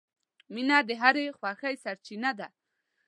• مینه د هرې خوښۍ سرچینه ده.